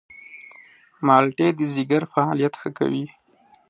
مالټې د ځيګر فعالیت ښه کوي.